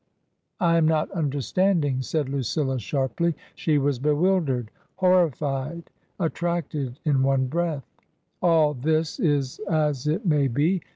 " I am not understanding," said Lucilla, sharply. She was bewildered, horrified, attracted in one breath. " All 274 TRANSITION. this is as it may be.